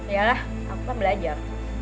ya lah aku lah belajar